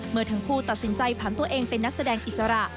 เมื่อทั้งคู่ตัดสินใจผันตัวเองเป็นนักแสดงอิสระ